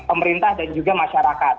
pemerintah dan juga masyarakat